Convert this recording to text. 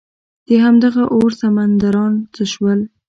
دهمغه اور سمندران څه شول؟